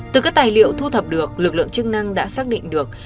từ các tài liệu thu thập được lực lượng chức năng đã xác định được